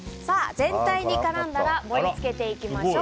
全体に絡んだら盛り付けていきましょう。